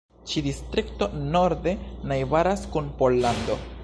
Ĉi-distrikto norde najbaras kun Pollando.